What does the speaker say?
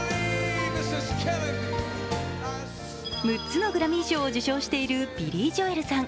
６つのグラミー賞を受賞しているビリー・ジョエルさん。